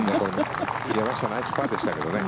山下ナイスパーでしたけどね。